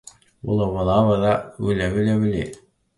Members of this family are small, under long, and are found worldwide.